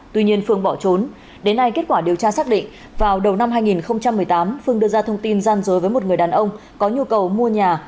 tuy nhiên phương bỏ trốn đến nay kết quả điều tra xác định vào đầu năm hai nghìn một mươi tám phương đưa ra thông tin gian dối với một người đàn ông có nhu cầu mua nhà